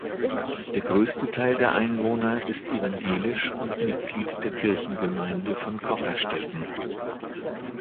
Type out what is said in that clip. Der größte Teil der Einwohner ist evangelisch und Mitglied der Kirchengemeinde von Kocherstetten.